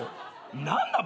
何なの？